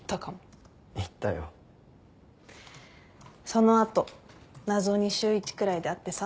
その後謎に週１くらいで会ってさ。